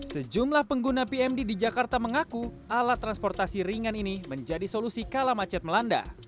sejumlah pengguna pmd di jakarta mengaku alat transportasi ringan ini menjadi solusi kala macet melanda